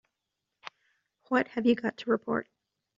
What have you got to report?